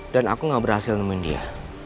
dan aku gak berhasil nemuin dia